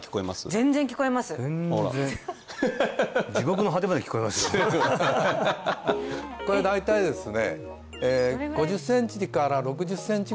全然これ大体ですね